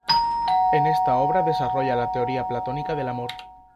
En esta obra desarrolla la teoría platónica del amor.